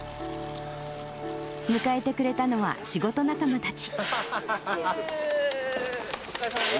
迎えてくれたのは、仕事仲間たち。